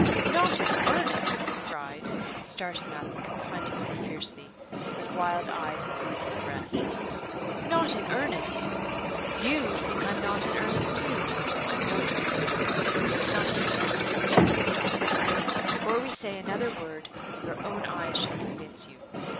"Not in earnest!" he cried, starting up and confronting me fiercely, with wild eyes and quickened breath. "Not in earnest! You think I'm not in earnest too. I know you think it, though you tell me you don't. Stop; before we say another word, your own eyes shall convince you.